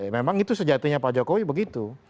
memang itu sejatinya pak jokowi begitu